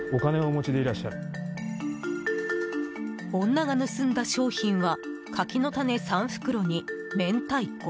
女が盗んだ商品は柿の種３袋に、明太子。